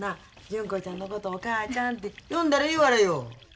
純子ちゃんのことお母ちゃんて呼んだらええわらよ。